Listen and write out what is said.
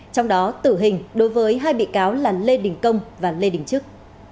trong đó tử hình đối với hai bị cáo là lê đình công và lê đình trức